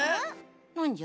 なんじゃ？